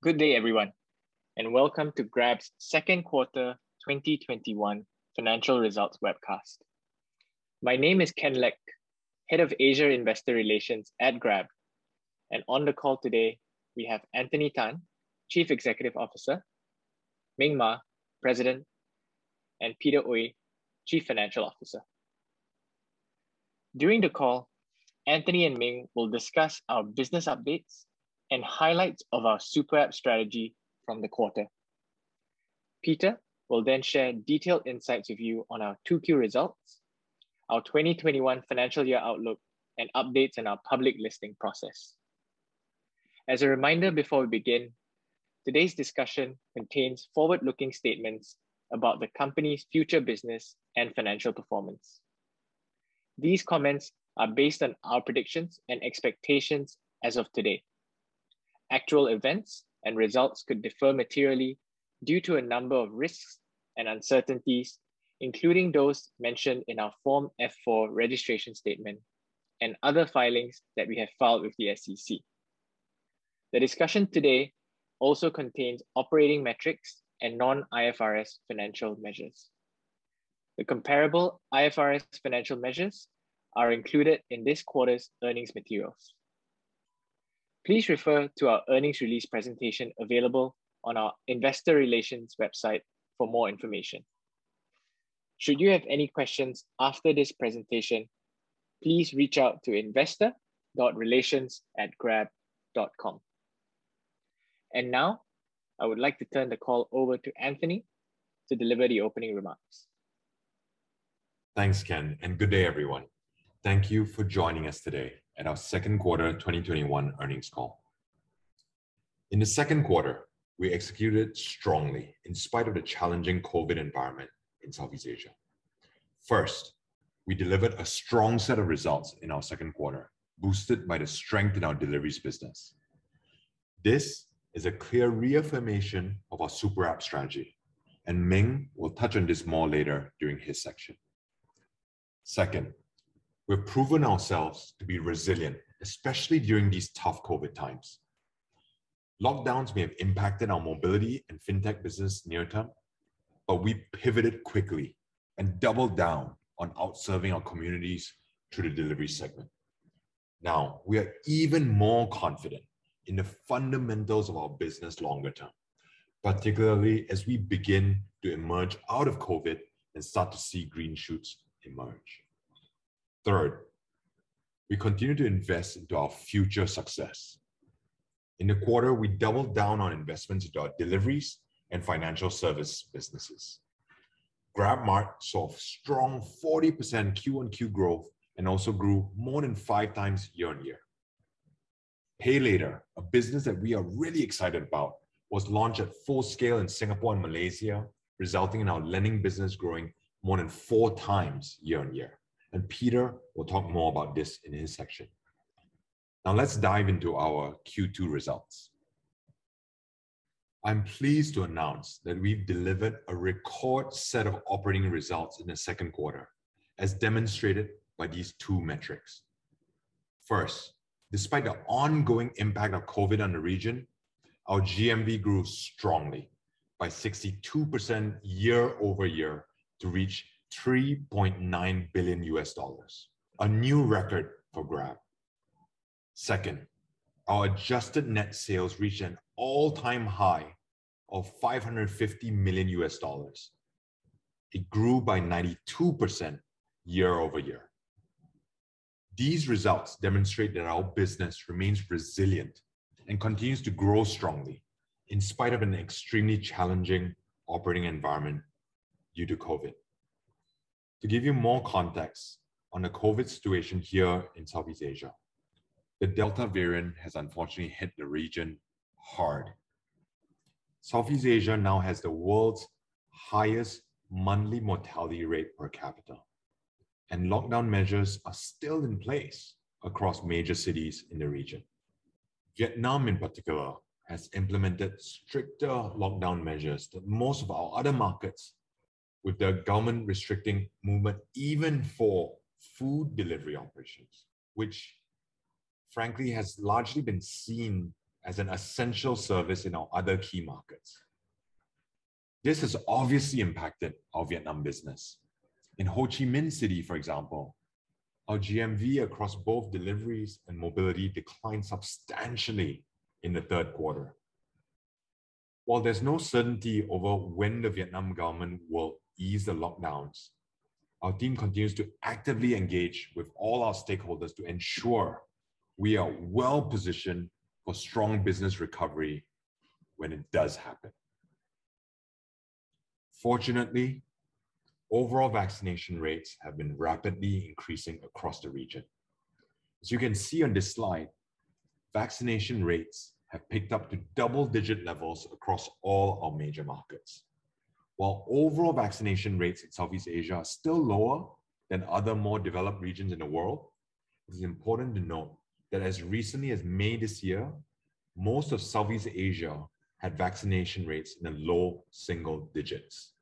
Good day, everyone, and welcome to Grab's second quarter 2021 financial results webcast. My name is Ken Lek, Head of Asia Investor Relations at Grab. On the call today, we have Anthony Tan, Chief Executive Officer, Ming Maa, President, and Peter Oey, Chief Financial Officer. During the call, Anthony and Ming will discuss our business updates and highlights of our Superapp strategy from the quarter. Peter will share detailed insights with you on our 2Q results, our 2021 financial year outlook, and updates on our public listing process. As a reminder before we begin, today's discussion contains forward-looking statements about the company's future business and financial performance. These comments are based on our predictions and expectations as of today. Actual events and results could differ materially due to a number of risks and uncertainties, including those mentioned in our Form F-4 registration statement and other filings that we have filed with the SEC. The discussion today also contains operating metrics and non-IFRS financial measures. The comparable IFRS financial measures are included in this quarter's earnings materials. Please refer to our earnings release presentation available on our investor relations website for more information. Should you have any questions after this presentation, please reach out to investor.relations@grab.com. Now, I would like to turn the call over to Anthony to deliver the opening remarks. Thanks, Ken. Good day, everyone. Thank you for joining us today at our second quarter 2021 earnings call. In the second quarter, we executed strongly in spite of the challenging COVID environment in Southeast Asia. First, we delivered a strong set of results in our second quarter, boosted by the strength in our deliveries business. This is a clear reaffirmation of our Superapp strategy, and Ming will touch on this more later during his section. Second, we've proven ourselves to be resilient, especially during these tough COVID times. Lockdowns may have impacted our mobility and fintech business near-term, but we pivoted quickly and doubled down on out-serving our communities through the delivery segment. Now, we are even more confident in the fundamentals of our business longer term, particularly as we begin to emerge out of COVID and start to see green shoots emerge. Third, we continue to invest into our future success. In the quarter, we doubled down on investments into our deliveries and financial service businesses. GrabMart saw strong 40% QoQ growth and also grew more than 5x year-on-year. PayLater, a business that we are really excited about, was launched at full scale in Singapore and Malaysia, resulting in our lending business growing more than 4x year-on-year. Peter will talk more about this in his section. Now let's dive into our Q2 results. I'm pleased to announce that we've delivered a record set of operating results in the second quarter, as demonstrated by these two metrics. First, despite the ongoing impact of COVID on the region, our GMV grew strongly by 62% year-over-year to reach $3.9 billion, a new record for Grab. Second, our adjusted net sales reached an all-time high of $550 million. It grew by 92% year-over-year. These results demonstrate that our business remains resilient and continues to grow strongly in spite of an extremely challenging operating environment due to COVID. To give you more context on the COVID situation here in Southeast Asia, the Delta variant has unfortunately hit the region hard. Southeast Asia now has the world's highest monthly mortality rate per capita. Lockdown measures are still in place across major cities in the region. Vietnam, in particular, has implemented stricter lockdown measures than most of our other markets with the government restricting movement even for food delivery operations, which frankly has largely been seen as an essential service in our other key markets. This has obviously impacted our Vietnam business. In Ho Chi Minh City, for example, our GMV across both deliveries and mobility declined substantially in the third quarter. While there's no certainty over when the Vietnam government will ease the lockdowns, our team continues to actively engage with all our stakeholders to ensure we are well-positioned for strong business recovery when it does happen. Fortunately, overall vaccination rates have been rapidly increasing across the region. As you can see on this slide, vaccination rates have picked up to double-digit levels across all our major markets. While overall vaccination rates in Southeast Asia are still lower than other more developed regions in the world, it is important to note that as recently as May this year, most of Southeast Asia had vaccination rates in the low single digits.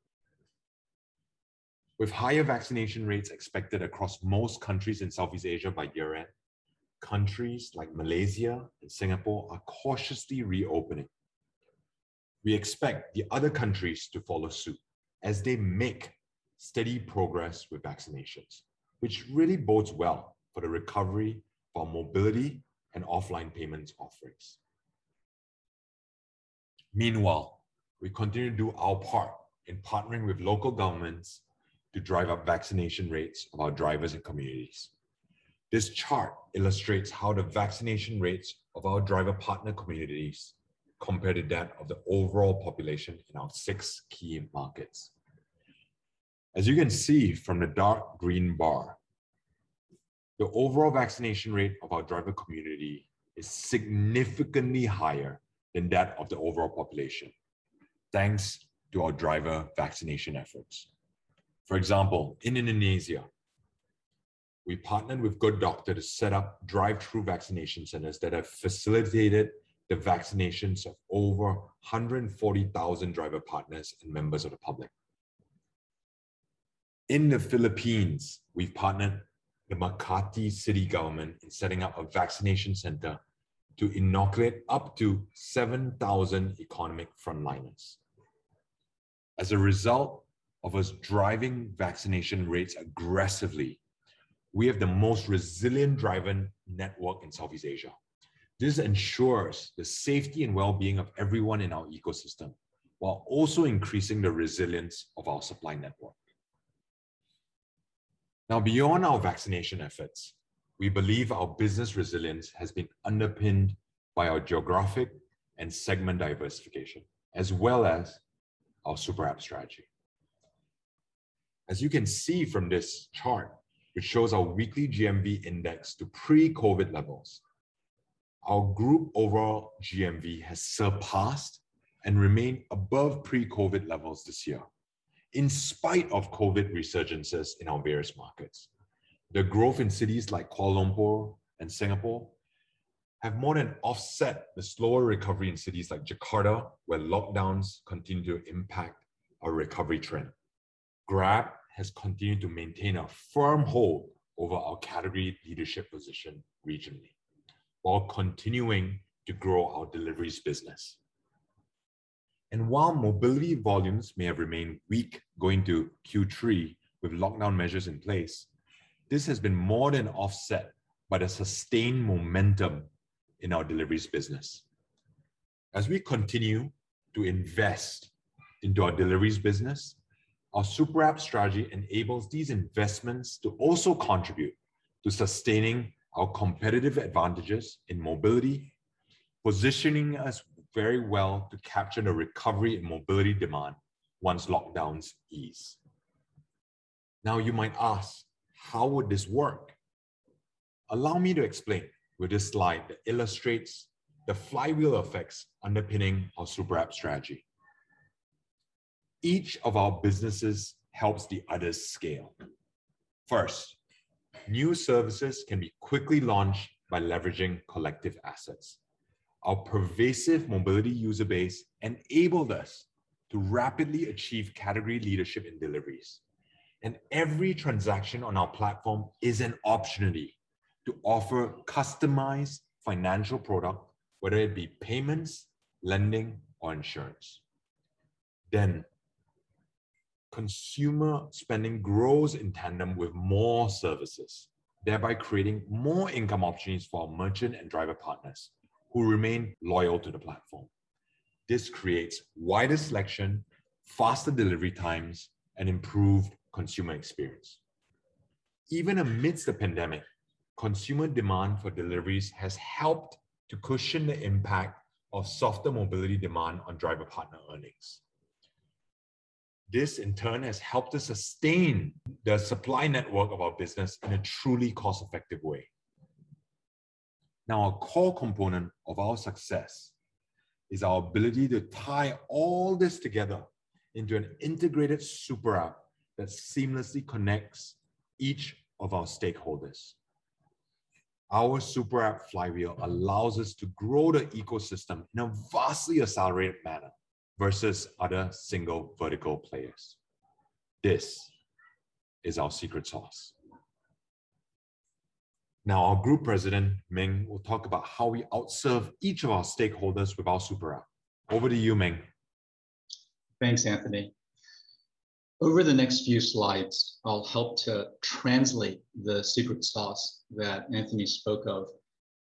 With higher vaccination rates expected across most countries in Southeast Asia by year-end, countries like Malaysia and Singapore are cautiously reopening. We expect the other countries to follow suit as they make steady progress with vaccinations, which really bodes well for the recovery for our mobility and offline payments offerings. Meanwhile, we continue to do our part in partnering with local governments to drive up vaccination rates of our drivers and communities. This chart illustrates how the vaccination rates of our driver-partner communities compare to that of the overall population in our 6 key markets. As you can see from the dark green bar, the overall vaccination rate of our driver community is significantly higher than that of the overall population, thanks to our driver vaccination efforts. For example, in Indonesia, we partnered with Good Doctor to set up drive-through vaccination centers that have facilitated the vaccinations of over 140,000 driver-partners and members of the public. In the Philippines, we've partnered the Makati city government in setting up a vaccination center to inoculate up to 7,000 economic frontliners. As a result of us driving vaccination rates aggressively, we have the most resilient driving network in Southeast Asia. This ensures the safety and well-being of everyone in our ecosystem, while also increasing the resilience of our supply network. Now, beyond our vaccination efforts, we believe our business resilience has been underpinned by our geographic and segment diversification, as well as our Superapp strategy. As you can see from this chart, which shows our weekly GMV index to pre-COVID levels, our group overall GMV has surpassed and remained above pre-COVID levels this year, in spite of COVID resurgences in our various markets. The growth in cities like Kuala Lumpur and Singapore have more than offset the slower recovery in cities like Jakarta, where lockdowns continue to impact our recovery trend. Grab has continued to maintain a firm hold over our category leadership position regionally, while continuing to grow our deliveries business. While mobility volumes may have remained weak going into Q3 with lockdown measures in place, this has been more than offset by the sustained momentum in our deliveries business. As we continue to invest into our deliveries business, our Superapp strategy enables these investments to also contribute to sustaining our competitive advantages in mobility, positioning us very well to capture the recovery in mobility demand once lockdowns ease. You might ask, how would this work? Allow me to explain with this slide that illustrates the flywheel effects underpinning our Superapp strategy. Each of our businesses helps the others scale. First, new services can be quickly launched by leveraging collective assets. Our pervasive mobility user base enabled us to rapidly achieve category leadership in deliveries, and every transaction on our platform is an opportunity to offer customized financial product, whether it be payments, lending, or insurance. Consumer spending grows in tandem with more services, thereby creating more income opportunities for our merchant and driver partners who remain loyal to the platform. This creates wider selection, faster delivery times, and improved consumer experience. Even amidst the pandemic, consumer demand for deliveries has helped to cushion the impact of softer mobility demand on driver-partner earnings. This, in turn, has helped us sustain the supply network of our business in a truly cost-effective way. A core component of our success is our ability to tie all this together into an integrated Superapp that seamlessly connects each of our stakeholders. Our Superapp flywheel allows us to grow the ecosystem in a vastly accelerated manner versus other single-vertical players. This is our secret sauce. Our Group President, Ming, will talk about how we out-serve each of our stakeholders with our Superapp. Over to you, Ming. Thanks, Anthony. Over the next few slides, I'll help to translate the secret sauce that Anthony spoke of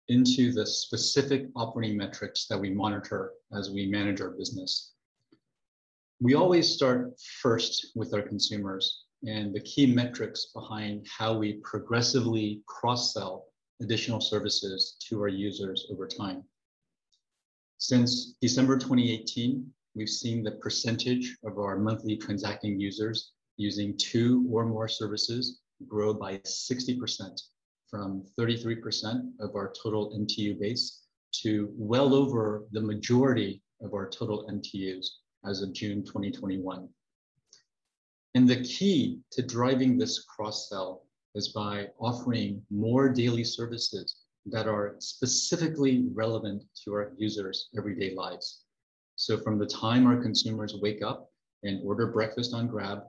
into the specific operating metrics that we monitor as we manage our business. We always start first with our consumers and the key metrics behind how we progressively cross-sell additional services to our users over time. Since December 2018, we've seen the percentage of our monthly transacting users using 2 or more services grow by 60%, from 33% of our total MTU base to well over the majority of our total MTUs as of June 2021. The key to driving this cross-sell is by offering more daily services that are specifically relevant to our users' everyday lives. So from the time our consumers wake up and order breakfast on Grab,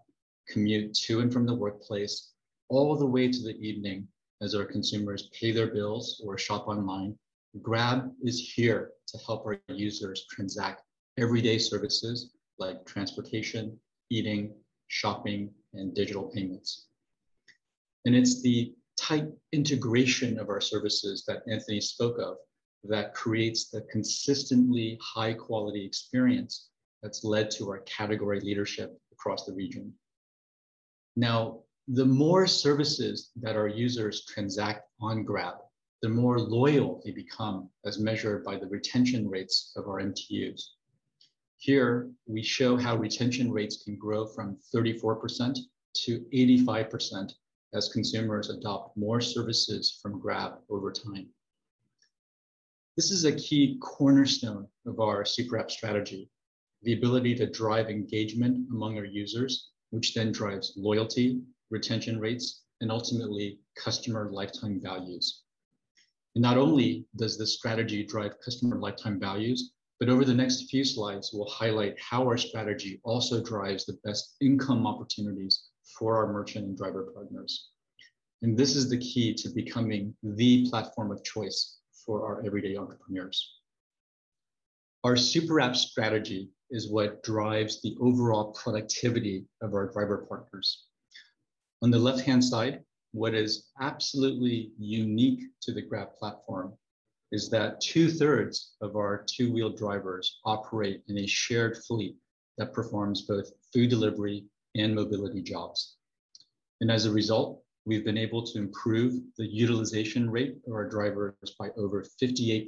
commute to and from the workplace, all the way to the evening as our consumers pay their bills or shop online, Grab is here to help our users transact everyday services like transportation, eating, shopping, and digital payments. It's the tight integration of our services that Anthony spoke of that creates the consistently high-quality experience that's led to our category leadership across the region. Now, the more services that our users transact on Grab, the more loyal they become as measured by the retention rates of our MTUs. Here, we show how retention rates can grow from 34% to 85% as consumers adopt more services from Grab over time. This is a key cornerstone of our Superapp strategy, the ability to drive engagement among our users, which drives loyalty, retention rates, and ultimately customer lifetime values. Not only does this strategy drive customer lifetime values, over the next few slides, we'll highlight how our strategy also drives the best income opportunities for our merchant and driver partners. This is the key to becoming the platform of choice for our everyday entrepreneurs. Our Superapp strategy is what drives the overall productivity of our driver partners. On the left-hand side, what is absolutely unique to the Grab platform is that two-thirds of our two-wheeled drivers operate in a shared fleet that performs both food delivery and mobility jobs. As a result, we've been able to improve the utilization rate of our drivers by over 58%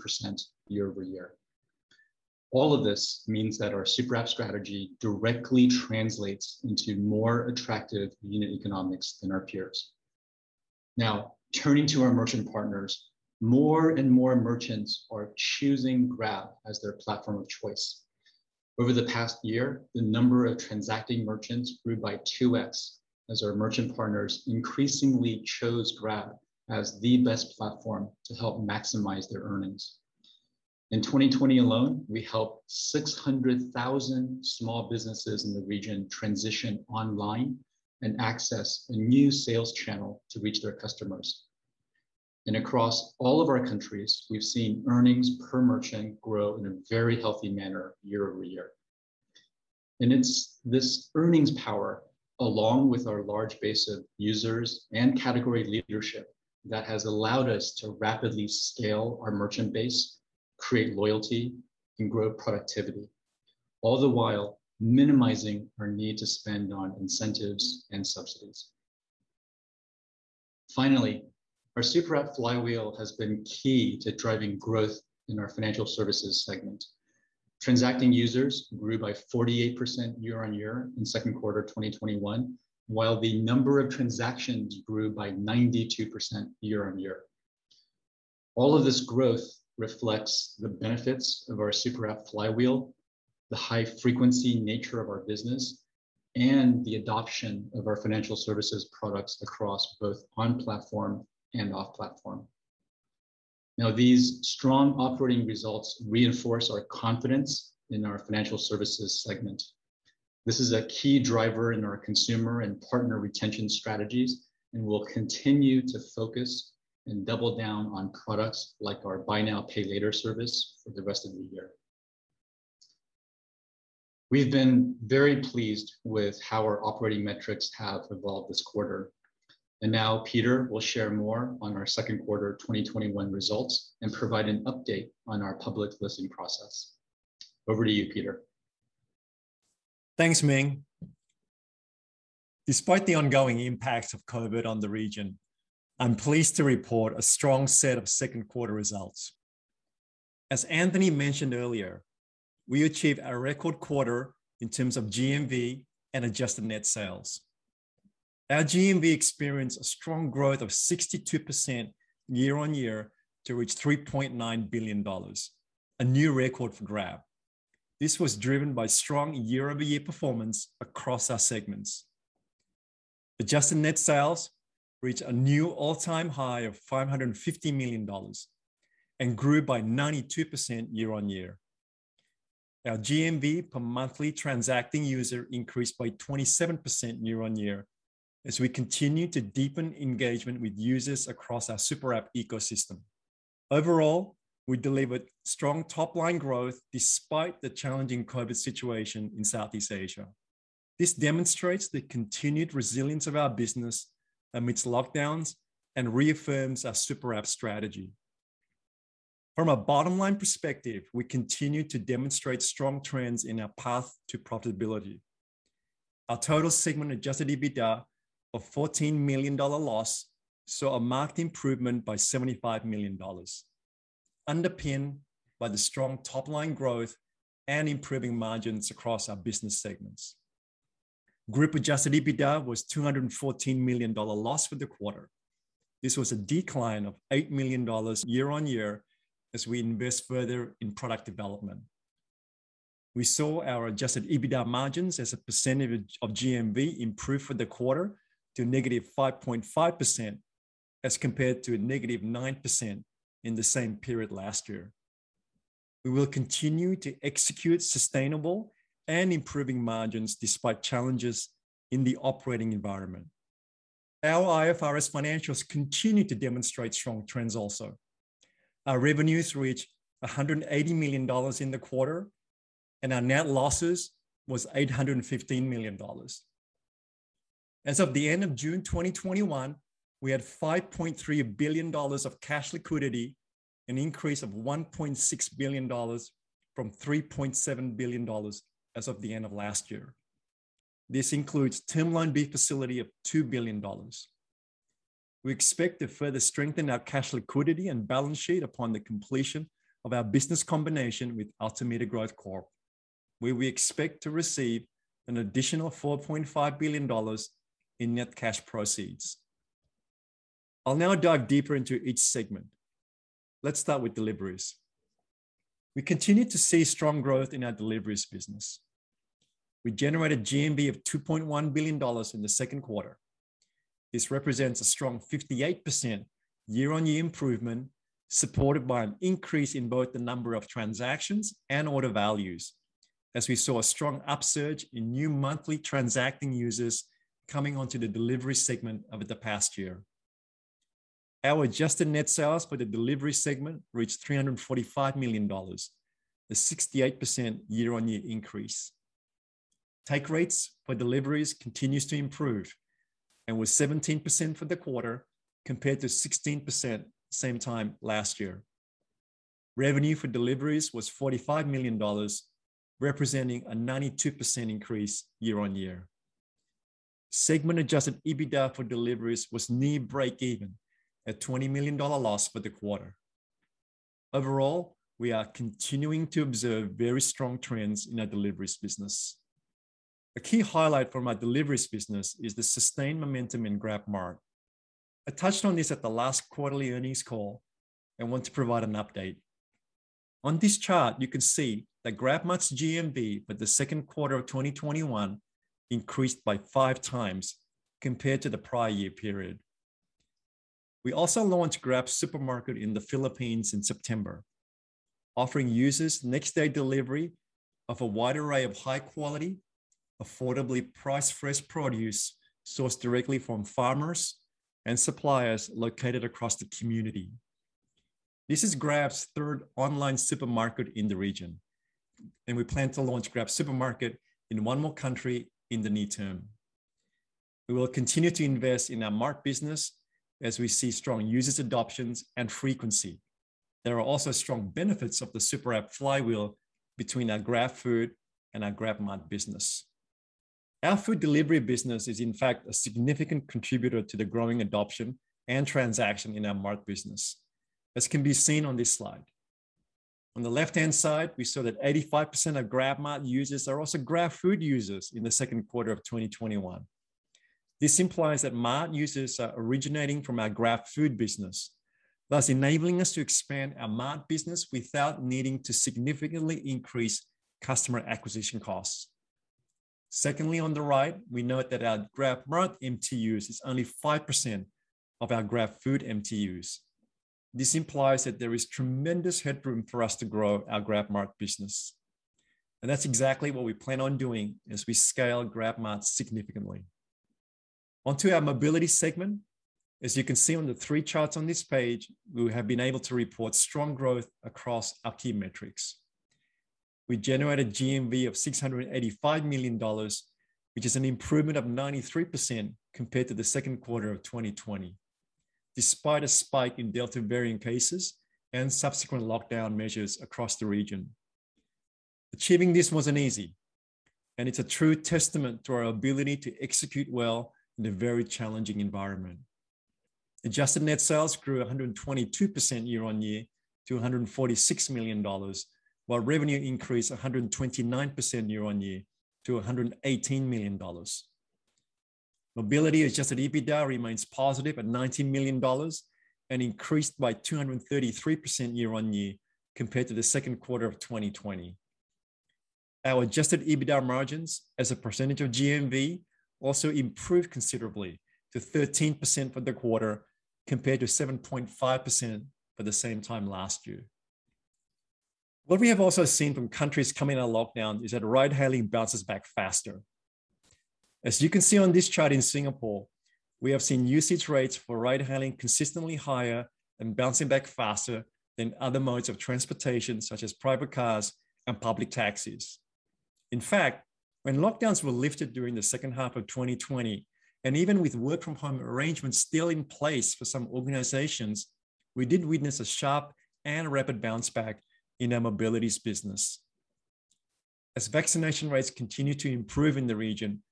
year-over-year. All of this means that our Superapp strategy directly translates into more attractive unit economics than our peers. Now, turning to our merchant partners, more and more merchants are choosing Grab as their platform of choice. Over the past year, the number of transacting merchants grew by 2X as our merchant partners increasingly chose Grab as the best platform to help maximize their earnings. In 2020 alone, we helped 600,000 small businesses in the region transition online and access a new sales channel to reach their customers. Across all of our countries, we've seen earnings per merchant grow in a very healthy manner year-over-year. It's this earnings power, along with our large base of users and category leadership, that has allowed us to rapidly scale our merchant base, create loyalty, and grow productivity, all the while minimizing our need to spend on incentives and subsidies. Our Superapp flywheel has been key to driving growth in our financial services segment. Transacting users grew by 48% year-on-year in second quarter 2021, while the number of transactions grew by 92% year-on-year. All of this growth reflects the benefits of our Superapp flywheel, the high-frequency nature of our business, and the adoption of our financial services products across both on-platform and off-platform. These strong operating results reinforce our confidence in our financial services segment. This is a key driver in our consumer and partner retention strategies, and we'll continue to focus and double down on products like our buy now, pay later service for the rest of the year. We've been very pleased with how our operating metrics have evolved this quarter. Peter will share more on our second quarter 2021 results and provide an update on our public listing process. Over to you, Peter. Thanks, Ming. Despite the ongoing impact of COVID on the region, I'm pleased to report a strong set of second quarter results. As Anthony mentioned earlier, we achieved a record quarter in terms of GMV and adjusted net sales. Our GMV experienced a strong growth of 62% year-on-year to reach $3.9 billion, a new record for Grab. This was driven by strong year-over-year performance across our segments. Adjusted net sales reached a new all-time high of $550 million and grew by 92% year-on-year. Our GMV per monthly transacting user increased by 27% year-on-year as we continue to deepen engagement with users across our Superapp ecosystem. Overall, we delivered strong top-line growth despite the challenging COVID situation in Southeast Asia. This demonstrates the continued resilience of our business amidst lockdowns and reaffirms our Superapp strategy. From a bottom-line perspective, we continue to demonstrate strong trends in our path to profitability. Our total segment adjusted EBITDA of $14 million loss saw a marked improvement by $75 million, underpinned by the strong top-line growth and improving margins across our business segments. Group adjusted EBITDA was $214 million loss for the quarter. This was a decline of $8 million year-on-year as we invest further in product development. We saw our adjusted EBITDA margins as a percentage of GMV improve for the quarter to -5.5% as compared to a -9% in the same period last year. We will continue to execute sustainable and improving margins despite challenges in the operating environment. Our IFRS financials continue to demonstrate strong trends also. Our revenues reached $180 million in the quarter, and our net losses was $815 million. As of the end of June 2021, we had $5.3 billion of cash liquidity, an increase of $1.6 billion from $3.7 billion as of the end of last year. This includes Term Loan B facility of $2 billion. We expect to further strengthen our cash liquidity and balance sheet upon the completion of our business combination with Altimeter Growth Corp, where we expect to receive an additional $4.5 billion in net cash proceeds. I'll now dive deeper into each segment. Let's start with deliveries. We continue to see strong growth in our deliveries business. We generated GMV of $2.1 billion in the second quarter. This represents a strong 58% year-on-year improvement, supported by an increase in both the number of transactions and order values, as we saw a strong upsurge in new Monthly Transacting Users coming onto the delivery segment over the past year. Our adjusted net sales for the delivery segment reached $345 million, a 68% year-on-year increase. Take rates for deliveries continues to improve and was 17% for the quarter compared to 16% same time last year. Revenue for deliveries was $45 million, representing a 92% increase year-on-year. Segment-adjusted EBITDA for deliveries was near breakeven, a $20 million loss for the quarter. Overall, we are continuing to observe very strong trends in our deliveries business. A key highlight for my deliveries business is the sustained momentum in GrabMart. I touched on this at the last quarterly earnings call and want to provide an update. On this chart, you can see that GrabMart's GMV for the second quarter of 2021 increased by five times compared to the prior year period. We also launched GrabSupermarket in the Philippines in September, offering users next-day delivery of a wide array of high-quality, affordably priced fresh produce sourced directly from farmers and suppliers located across the community. This is Grab's third online supermarket in the region, and we plan to launch GrabSupermarket in one more country in the near term. We will continue to invest in our Mart business as we see strong users adoptions and frequency. There are also strong benefits of the Superapp flywheel between our GrabFood and our GrabMart business. Our food delivery business is in fact a significant contributor to the growing adoption and transaction in our Mart business, as can be seen on this slide. On the left-hand side, we saw that 85% of GrabMart users are also GrabFood users in the second quarter of 2021. This implies that Mart users are originating from our GrabFood business, thus enabling us to expand our Mart business without needing to significantly increase customer acquisition costs. Secondly, on the right, we note that our GrabMart MTUs is only 5% of our GrabFood MTUs. This implies that there is tremendous headroom for us to grow our GrabMart business, and that's exactly what we plan on doing as we scale GrabMart significantly. Onto our mobility segment. As you can see on the three charts on this page, we have been able to report strong growth across our key metrics. We generated GMV of $685 million, which is an improvement of 93% compared to the second quarter of 2020, despite a spike in Delta variant cases and subsequent lockdown measures across the region. Achieving this wasn't easy. It's a true testament to our ability to execute well in a very challenging environment. Adjusted net sales grew 122% year-on-year to $146 million. Revenue increased 129% year-on-year to $118 million. Mobility adjusted EBITDA remains positive at $90 million and increased by 233% year-on-year compared to the second quarter of 2020. Our adjusted EBITDA margins as a percentage of GMV also improved considerably to 13% for the quarter, compared to 7.5% for the same time last year. What we have also seen from countries coming out of lockdown is that ride hailing bounces back faster. You can see on this chart in Singapore, we have seen usage rates for ride hailing consistently higher and bouncing back faster than other modes of transportation, such as private cars and public taxis. In fact, when lockdowns were lifted during the second half of 2020, even with work-from-home arrangements still in place for some organizations, we did witness a sharp and rapid bounce back in our Mobilities business. As vaccination rates continue to improve in the region,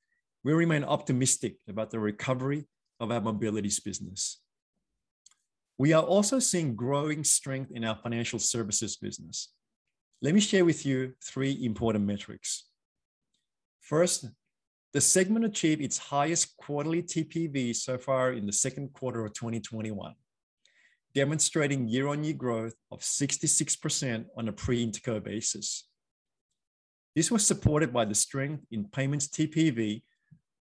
we remain optimistic about the recovery of our Mobilities business. We are also seeing growing strength in our Financial Services business. Let me share with you three important metrics. First, the segment achieved its highest quarterly TPV so far in Q2 2021, demonstrating year-on-year growth of 66% on a pre-Interco basis. This was supported by the strength in payments TPV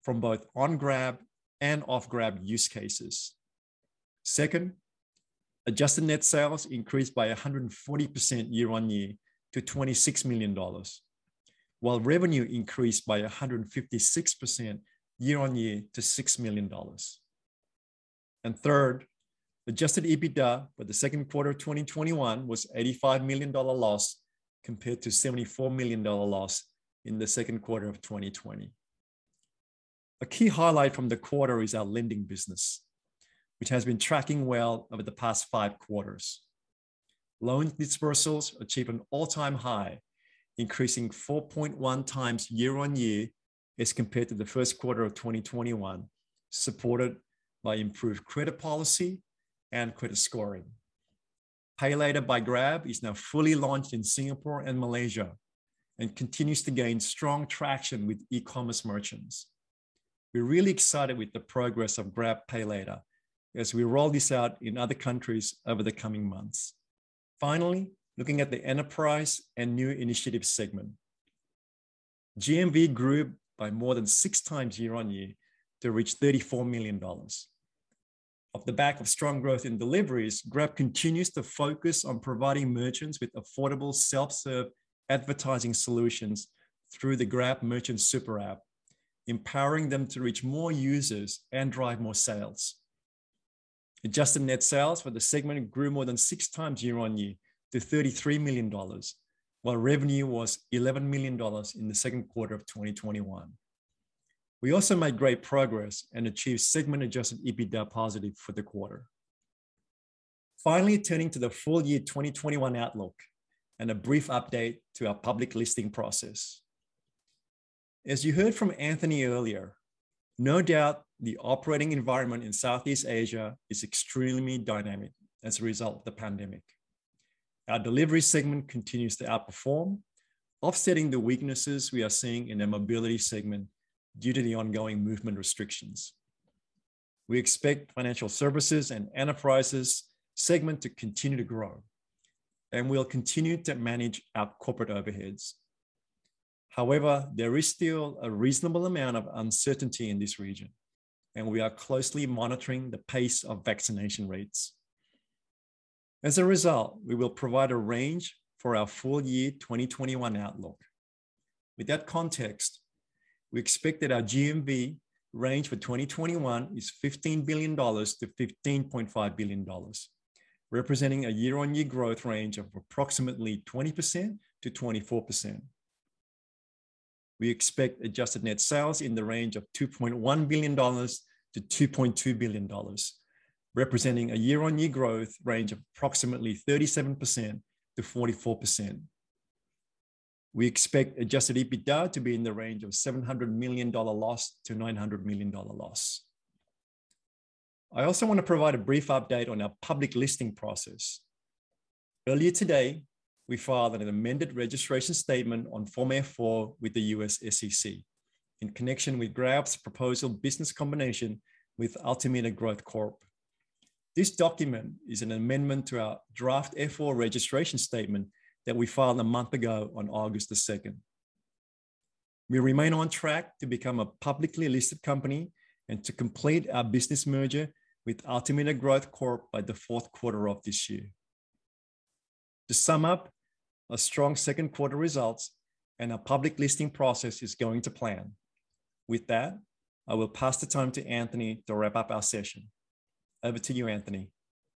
from both on Grab and off Grab use cases. Second, adjusted net sales increased by 140% year-on-year to $26 million, while revenue increased by 156% year-on-year to $6 million. Third, adjusted EBITDA for the second quarter of 2021 was $85 million loss, compared to $74 million loss in the second quarter of 2020. A key highlight from the quarter is our lending business, which has been tracking well over the past five quarters. Loan disbursements achieve an all-time high, increasing 4.1 times year-on-year as compared to the first quarter of 2021, supported by improved credit policy and credit scoring. PayLater by Grab is now fully launched in Singapore and Malaysia and continues to gain strong traction with e-commerce merchants. We're really excited with the progress of PayLater by Grab as we roll this out in other countries over the coming months. Finally, looking at the enterprise and new initiatives segment. GMV grew by more than six times year-on-year to reach $34 million. Off the back of strong growth in deliveries, Grab continues to focus on providing merchants with affordable self-serve advertising solutions through the GrabMerchant superapp, empowering them to reach more users and drive more sales. Adjusted net sales for the segment grew more than six times year-on-year to $33 million, while revenue was $11 million in the second quarter of 2021. We also made great progress and achieved segment-adjusted EBITDA positive for the quarter. Finally, turning to the full year 2021 outlook and a brief update to our public listing process. As you heard from Anthony earlier, no doubt the operating environment in Southeast Asia is extremely dynamic as a result of the pandemic. Our delivery segment continues to outperform, offsetting the weaknesses we are seeing in the mobility segment due to the ongoing movement restrictions. We expect financial services and enterprises segment to continue to grow. We'll continue to manage our corporate overheads. However, there is still a reasonable amount of uncertainty in this region, and we are closely monitoring the pace of vaccination rates. As a result, we will provide a range for our full year 2021 outlook. With that context, we expect that our GMV range for 2021 is $15 billion-$15.5 billion, representing a year-on-year growth range of approximately 20%-24%. We expect adjusted net sales in the range of $2.1 billion-$2.2 billion, representing a year-on-year growth range of approximately 37%-44%. We expect adjusted EBITDA to be in the range of $700 million loss to $900 million loss. I also want to provide a brief update on our public listing process. Earlier today, we filed an amended registration statement on Form F-4 with the U.S. SEC in connection with Grab's proposed business combination with Altimeter Growth Corp. This document is an amendment to our Draft F-4 Registration Statement that we filed a month ago on August the 2nd. We remain on track to become a publicly listed company and to complete our business merger with Altimeter Growth Corp by the fourth quarter of this year. To sum up, a strong second quarter results and our public listing process is going to plan. With that, I will pass the time to Anthony to wrap up our session. Over to you, Anthony.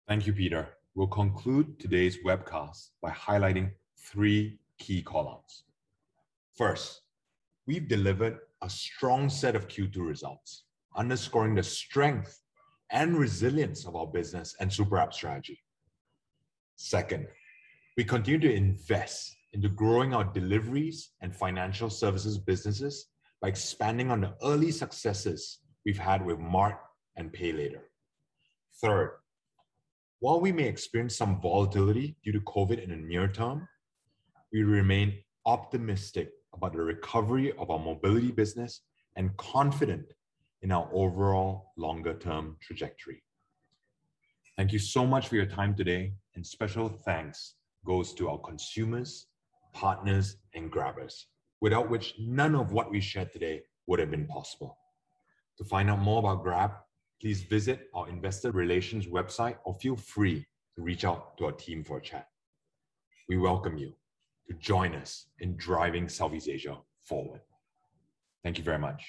Thank you, Peter. We'll conclude today's webcast by highlighting three key call-outs. First, we've delivered a strong set of Q2 results, underscoring the strength and resilience of our business and Superapp strategy. Second, we continue to invest into growing our deliveries and financial services businesses by expanding on the early successes we've had with GrabMart and PayLater. Third, while we may experience some volatility due to COVID in the near term, we remain optimistic about the recovery of our mobility business and confident in our overall longer-term trajectory. Thank you so much for your time today, and special thanks goes to our consumers, partners, and Grabbers, without which none of what we shared today would have been possible. To find out more about Grab, please visit our investor relations website or feel free to reach out to our team for a chat. We welcome you to join us in driving Southeast Asia forward. Thank you very much.